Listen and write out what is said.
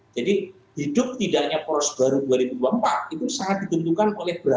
jadi hidup tidaknya poros baru dua ribu dua puluh empat itu sangat ditentukan oleh beratnya